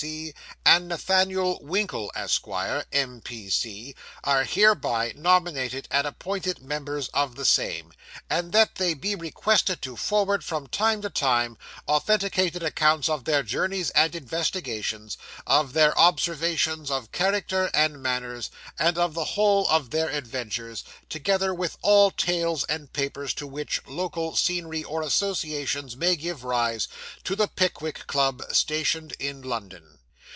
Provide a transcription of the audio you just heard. P.C., and Nathaniel Winkle, Esq., M.P.C., are hereby nominated and appointed members of the same; and that they be requested to forward, from time to time, authenticated accounts of their journeys and investigations, of their observations of character and manners, and of the whole of their adventures, together with all tales and papers to which local scenery or associations may give rise, to the Pickwick Club, stationed in London.